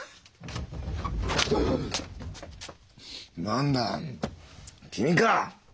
何だ君か。